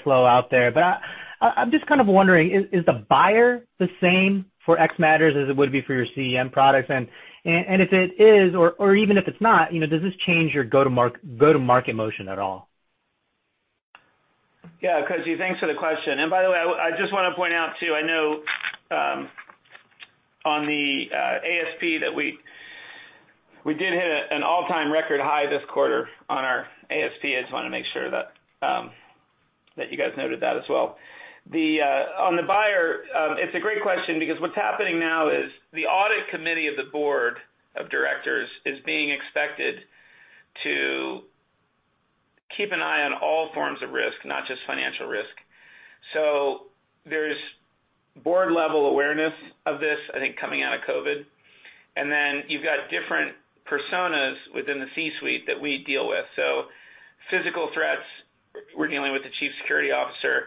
flow out there. I'm just kind of wondering, is the buyer the same for xMatters as it would be for your CEM products? If it is, or even if it's not, does this change your go-to-market motion at all? Yeah, Koji, thanks for the question. By the way, I just want to point out too, I know on the ASP that we did hit an all-time record high this quarter on our ASP. I just want to make sure that you guys noted that as well. On the buyer, it's a great question because what's happening now is the audit committee of the board of directors is being expected to keep an eye on all forms of risk, not just financial risk. There's board-level awareness of this, I think, coming out of COVID-19. You've got different personas within the C-suite that we deal with. Physical threats, we're dealing with the Chief Security Officer.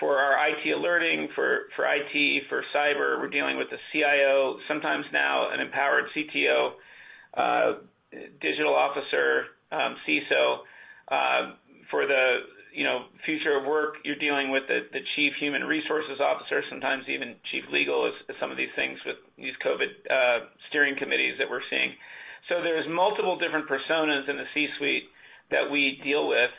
For our IT Alerting, for IT, for cyber, we're dealing with the CIO, sometimes now an empowered Chief Technology Officer, Digital Officer, Chief Information Security Officer. For the future of work, you're dealing with the Chief Human Resources Officer, sometimes even Chief Legal with some of these things with these COVID steering committees that we're seeing. There's multiple different personas in the C-suite that we deal with,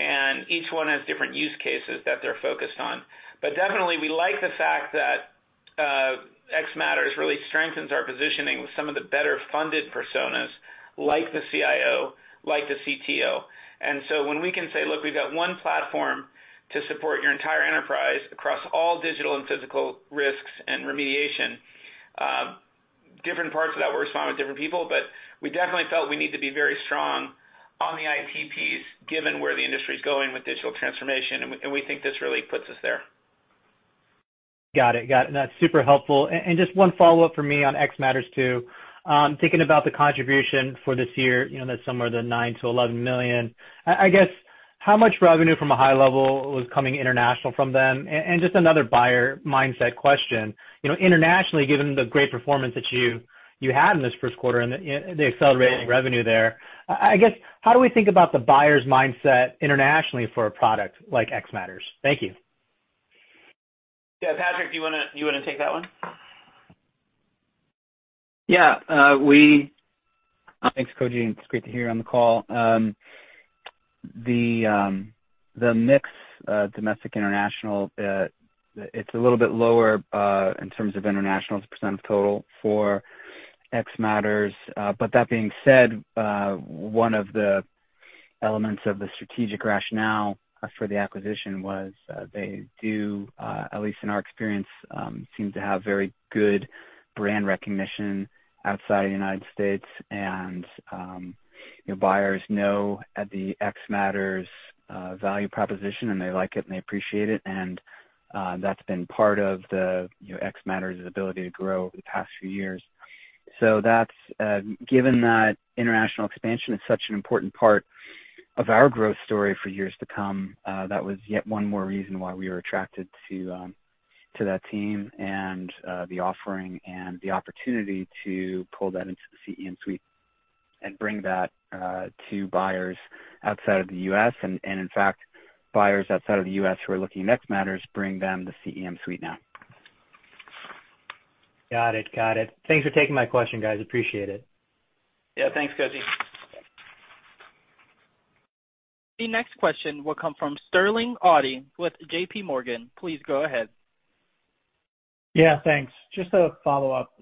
and each one has different use cases that they're focused on. Definitely, we like the fact that xMatters really strengthens our positioning with some of the better-funded personas like the CIO, like the CTO. When we can say, look, we've got one platform to support your entire enterprise across all digital and physical risks and remediation, different parts of that will respond with different people. We definitely felt we need to be very strong on the IT piece, given where the industry is going with digital transformation, and we think this really puts us there. Got it. That's super helpful. Just one follow-up from me on xMatters too. Thinking about the contribution for this year, that somewhere to the $9 million-$11 million. I guess, how much revenue from a high level was coming international from them? Just another buyer mindset question. Internationally, given the great performance that you had in this first quarter and the accelerating revenue there, I guess, how do we think about the buyer's mindset internationally for a product like xMatters? Thank you. Yeah. Patrick, do you want to take that one? Thanks, Koji. It's great to hear you on the call. The mix, domestic, international, it's a little bit lower in terms of international as a % of total for xMatters. That being said, one of the elements of the strategic rationale for the acquisition was they do, at least in our experience, seem to have very good brand recognition outside of the U.S. Buyers know the xMatters value proposition, and they like it, and they appreciate it. That's been part of xMatters' ability to grow over the past few years. Given that international expansion is such an important part of our growth story for years to come, that was yet one more reason why we were attracted to that team and the offering and the opportunity to pull that into the CEM suite and bring that to buyers outside of the U.S. In fact, buyers outside of the U.S. who are looking at xMatters, bring them the CEM suite now. Got it. Thanks for taking my question, guys. Appreciate it. Yeah. Thanks, Koji Ikeda. The next question will come from Sterling Auty with JPMorgan. Please go ahead. Yeah, thanks. Just a follow-up.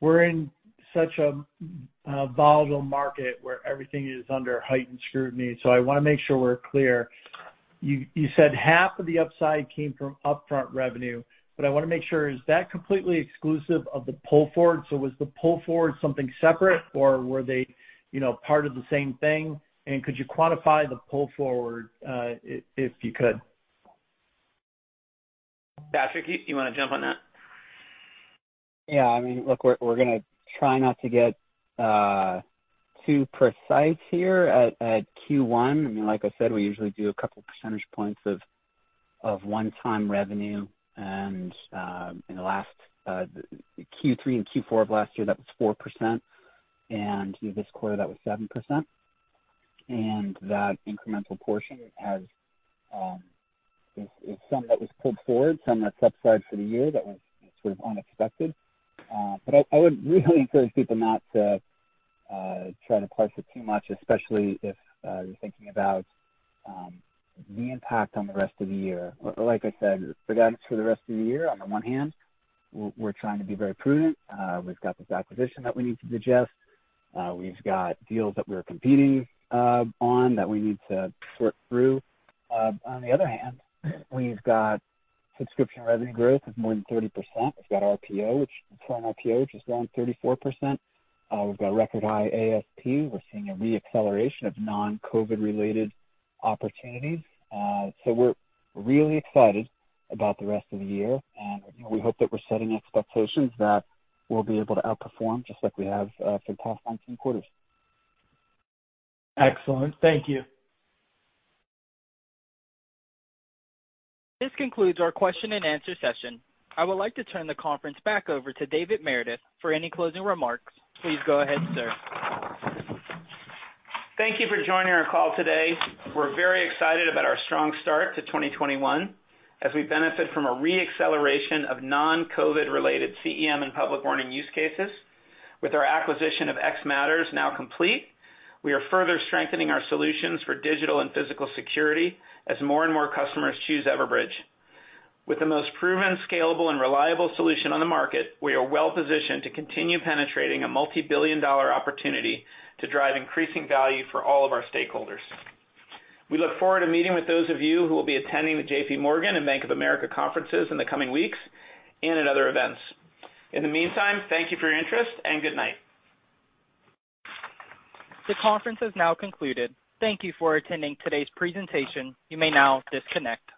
We're in such a volatile market where everything is under heightened scrutiny, so I want to make sure we're clear. You said half of the upside came from upfront revenue, but I want to make sure, is that completely exclusive of the pull forward? Was the pull forward something separate, or were they part of the same thing? Could you quantify the pull forward, if you could? Patrick, you want to jump on that? Look, we're going to try not to get too precise here at Q1. Like I said, we usually do a couple percentage points of one-time revenue. In Q3 and Q4 of last year, that was 4%, and this quarter that was 7%. That incremental portion is some that was pulled forward, some that's up-side for the year that was sort of unexpected. I would really encourage people not to try to parse it too much, especially if you're thinking about the impact on the rest of the year. Like I said, for guidance for the rest of the year, on the one hand, we're trying to be very prudent. We've got this acquisition that we need to digest. We've got deals that we're competing on that we need to sort through. On the other hand, we've got subscription revenue growth of more than 30%. We've got RPO, which current RPO, just around 34%. We've got record high ASP. We're seeing a re-acceleration of non-COVID related opportunities. We're really excited about the rest of the year, and we hope that we're setting expectations that we'll be able to outperform just like we have for the past 19 quarters. Excellent. Thank you. This concludes our question and answer session. I would like to turn the conference back over to David Meredith for any closing remarks. Please go ahead, sir. Thank you for joining our call today. We're very excited about our strong start to 2021 as we benefit from a re-acceleration of non-COVID related CEM and Public Warning use cases. With our acquisition of xMatters now complete, we are further strengthening our solutions for digital and physical security as more and more customers choose Everbridge. With the most proven, scalable, and reliable solution on the market, we are well positioned to continue penetrating a multi-billion dollar opportunity to drive increasing value for all of our stakeholders. We look forward to meeting with those of you who will be attending the JPMorgan and Bank of America conferences in the coming weeks, and at other events. In the meantime, thank you for your interest, and good night. The conference has now concluded. Thank you for attending today's presentation. You may now disconnect.